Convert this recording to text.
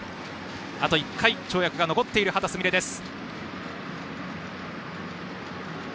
あと１回跳躍が残っている秦澄美鈴です。